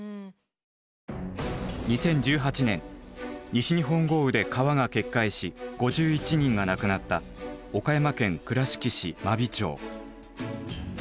２０１８年西日本豪雨で川が決壊し５１人が亡くなった岡山県倉敷市真備町。